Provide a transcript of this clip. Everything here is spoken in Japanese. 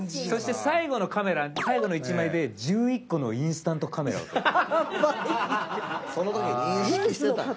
そして最後のカメラ最後の一枚で「１１コのインスタントカメラを撮る」。